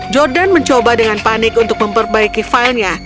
jordan mencoba dengan panik untuk memperbaiki filenya